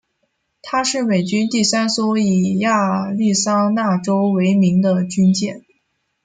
她是美军第三艘以亚利桑那州为名的军舰。